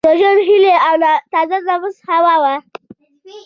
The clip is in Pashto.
د ژوند هیلي او تازه نفس هوا وه